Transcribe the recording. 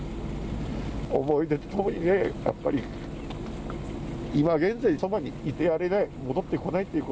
思い出とともにね、やっぱり、今現在そばにいてやれない、戻ってこないっていう